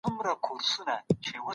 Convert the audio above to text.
خپل فرهنګ او کلتور ته وده ورکړئ.